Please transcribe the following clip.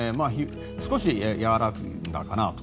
少し和らいだかなと。